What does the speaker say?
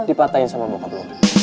dipatahin sama bokap lu